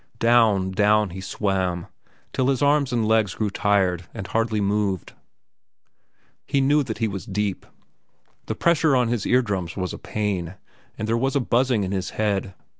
Down, down, he swam till his arms and legs grew tired and hardly moved. He knew that he was deep. The pressure on his ear drums was a pain, and there was a buzzing in his head.